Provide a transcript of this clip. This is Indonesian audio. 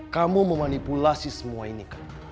kamu memanipulasi semua ini